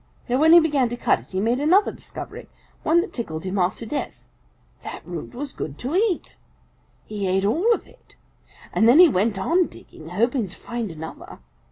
Now when he began to cut it he made another discovery, one that tickled him half to death. That root was good to eat! He ate all of it, and then he went on digging, hoping to find another.